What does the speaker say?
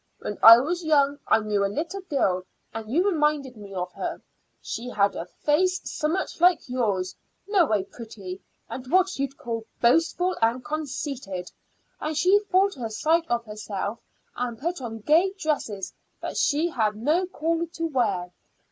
When I was young I knew a little girl, and you remind me of her. She had a face summat like yours, no way pretty, but what you'd call boastful and conceited; and she thought a sight of herself, and put on gay dress that she had no call to wear.